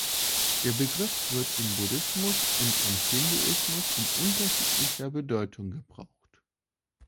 Der Begriff wird im Buddhismus und im Hinduismus in unterschiedlicher Bedeutung gebraucht.